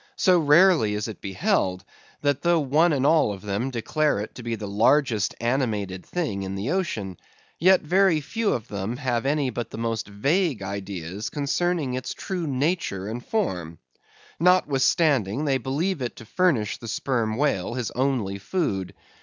So rarely is it beheld, that though one and all of them declare it to be the largest animated thing in the ocean, yet very few of them have any but the most vague ideas concerning its true nature and form; notwithstanding, they believe it to furnish to the sperm whale his only food.